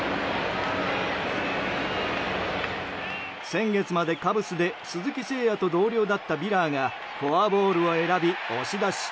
先月までカブスで鈴木誠也と同僚だったビラーがフォアボールを選び押し出し。